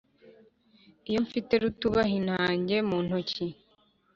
Iyo mfite Rutubahintanage mu ntoki